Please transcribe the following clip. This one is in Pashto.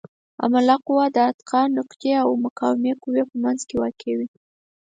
عامله قوه د اتکا نقطې او مقاومې قوې په منځ کې واقع وي.